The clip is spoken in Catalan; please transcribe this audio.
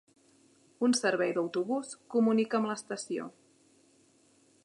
Un servei d'autobús comunica amb l'estació.